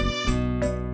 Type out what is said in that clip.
gak ada apa apa